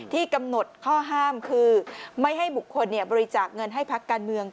ที่กำหนดข้อห้ามคือไม่ให้บุคคลบริจาคเงินให้พักการเมือง